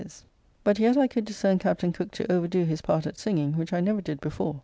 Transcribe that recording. ] But yet I could discern Captain Cooke to overdo his part at singing, which I never did before.